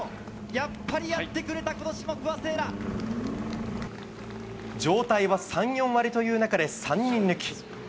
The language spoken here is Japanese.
やっぱりやってくれた、状態は３、４割という中で３人抜き。